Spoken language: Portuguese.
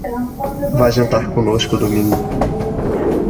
Vá jantar conosco domingo.